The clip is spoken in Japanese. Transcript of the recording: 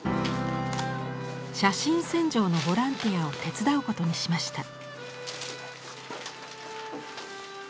写真洗浄のボランティアを手伝うことにしました。